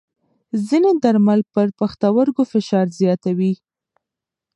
ځینې درمل پر پښتورګو فشار زیاتوي.